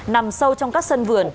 nằm sâu trong các sân vườn